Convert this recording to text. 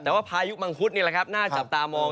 แต่ว่าพายุมังคุดนี่แหละครับน่าจับตามอง